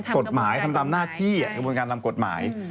กดหมายทำตามหน้าที่ควบคุณการทำกดหมาย